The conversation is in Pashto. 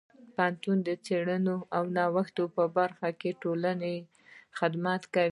پوهنتون د څیړنې او نوښت په برخه کې د ټولنې خدمت کوي.